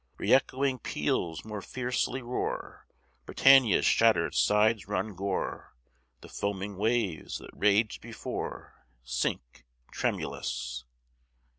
Reëchoing peals more fiercely roar, Britannia's shatter'd sides run gore, The foaming waves that raged before, Sink, tremulous.